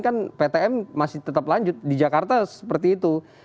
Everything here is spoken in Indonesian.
kan ptm masih tetap lanjut di jakarta seperti itu